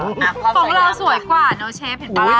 ของเราสวยกว่าเนอะเชฟเห็นปะล่ะ